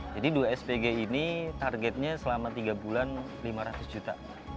jadi dua spg ini targetnya selama tiga bulan lima ratus juta